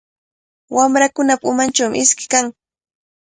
Wamrakunapa umanchawmi iski kan.